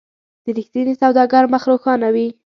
د رښتیني سوداګر مخ روښانه وي.